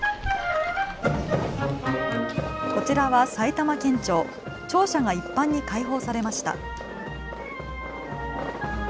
こちらは埼玉県庁、庁舎が一般に開放されました。